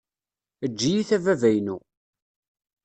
Eǧǧ-iyi-t a baba-inu.